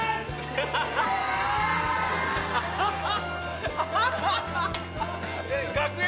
ハハハハ！